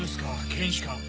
検視官。